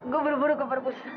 gue buru buru ke perpustaka